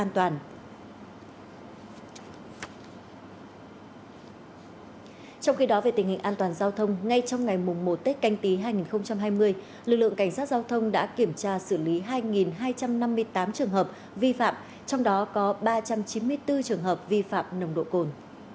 trong khi đó về tình hình an toàn giao thông ngay trong ngày một tết canh tí hai nghìn hai mươi lực lượng cảnh sát giao thông đã kiểm tra xử lý hai hai trăm năm mươi tám trường hợp vi phạm trong đó có ba trăm chín mươi bốn trường hợp vi phạm nồng độ cồn